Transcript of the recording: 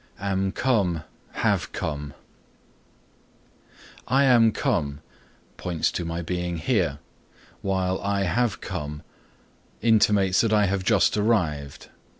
AM COME HAVE COME "I am come" points to my being here, while "I have come" intimates that I have just arrived.